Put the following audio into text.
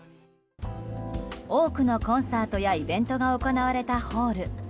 多くのコンサートやイベントが行われたホール。